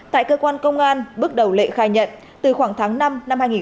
tại cơ quan công an bước đầu lệ khai nhận từ khoảng tháng năm năm hai nghìn hai mươi ba